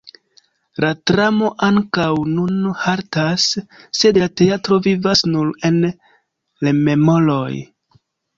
La tramo ankaŭ nun haltas, sed la teatro vivas nur en rememoroj.